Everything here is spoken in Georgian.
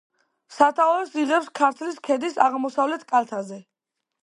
სათავეს იღებს ქართლის ქედის აღმოსავლეთ კალთაზე.